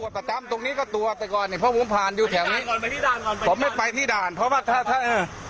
ผมเห็นตรวจประจำตรวจตรวจแต่ของผมผ่านอยู่แถวนี้